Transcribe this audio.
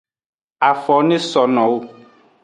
Afo ne so no wo.